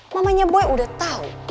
mamanya boy udah tahu